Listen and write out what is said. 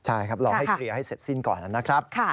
ใช่ครับรอให้เคลียร์ให้เสร็จสิ้นก่อนนะครับ